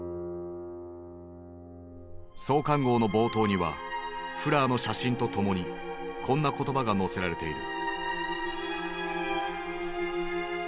創刊号の冒頭にはフラーの写真とともにこんな言葉が載せられている。